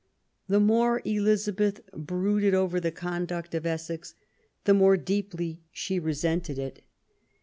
The more Elizabeth brooded over the conduct of Essex, the more deeply she resented it.